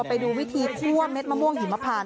ไปดูวิธีคั่วเม็ดมะม่วงหิมพาน